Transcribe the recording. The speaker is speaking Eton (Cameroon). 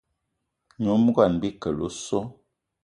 Nyom ngón Bikele o so!